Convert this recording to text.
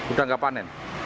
udah nggak panen